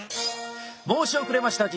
申し遅れました